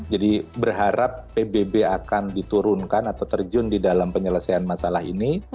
jadi berharap pbb akan diturunkan atau terjun di dalam penyelesaian masalah ini